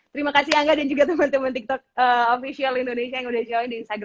terima kasih angga dan juga temen temen tiktok official indonesia yang udah join disini ya